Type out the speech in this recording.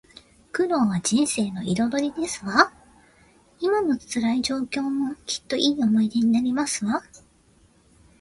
苦労は人生の彩りですわ。今の辛い状況も、きっといい思い出になりますわ